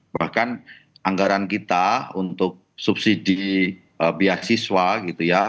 bahkan anggaran kita untuk subsidi beasiswa gitu ya